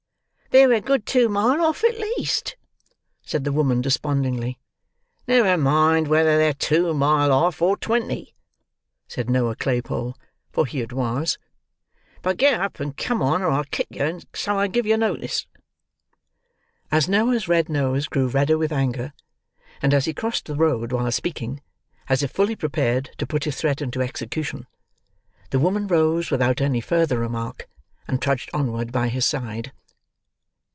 "They're a good two mile off, at least," said the woman despondingly. "Never mind whether they're two mile off, or twenty," said Noah Claypole; for he it was; "but get up and come on, or I'll kick yer, and so I give yer notice." As Noah's red nose grew redder with anger, and as he crossed the road while speaking, as if fully prepared to put his threat into execution, the woman rose without any further remark, and trudged onward by his side.